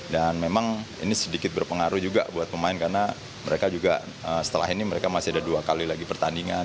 dan memang ini sedikit berpengaruh juga buat pemain karena mereka juga setelah ini mereka masih ada dua kali lagi pertandingan